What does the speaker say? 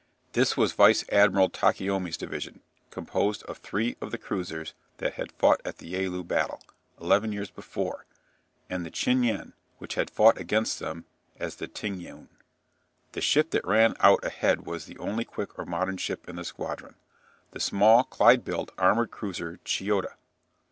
This was Vice Admiral Takeomi's division, composed of three of the cruisers that had fought at the Yalu battle, eleven years before, and the "Chin yen," which had fought against them as the "Ting yuen." The ship that ran out ahead was the only quick or modern ship in the squadron, the small Clyde built armoured cruiser "Chiyoda."